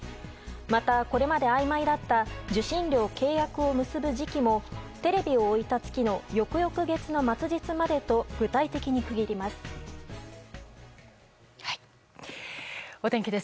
また、これまで曖昧だった受信料契約を結ぶ時期もテレビを置いた月の翌々月の末日までと具体的に区切ります。